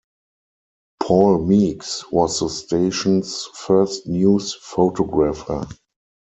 Paul Meeks was the station's first news photographer.